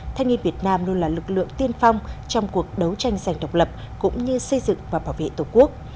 thanh niên việt nam luôn là lực lượng tiên phong trong cuộc đấu tranh giành độc lập cũng như xây dựng và bảo vệ tổ quốc